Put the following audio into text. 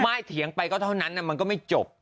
เถียงไปก็เท่านั้นมันก็ไม่จบ